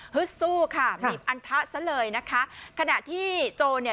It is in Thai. สู้ค่ะบีบอันทะซะเลยนะคะขณะที่โจรเนี่ย